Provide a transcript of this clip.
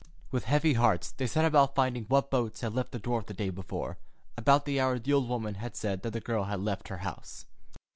With heavy hearts, they set about finding what boats had left the wharf the day before, about the hour the old woman had said that the girl had left her house.